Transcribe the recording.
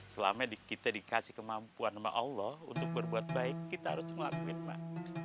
selama kita dikasih kemampuan sama allah untuk berbuat baik kita harus melakuin pak